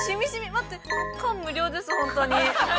待って、感無量です、本当に。